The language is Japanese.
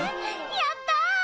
やった！